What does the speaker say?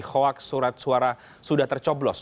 hoax surat suara sudah tercoblos